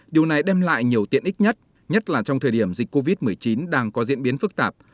điều này đem lại nhiều tiện ích nhất nhất là trong thời điểm dịch covid một mươi chín đang có diễn biến phức tạp